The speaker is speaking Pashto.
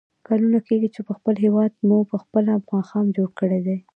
کلونه کېږي چې په خپل هېواد مو په خپله ماښام جوړ کړی دی.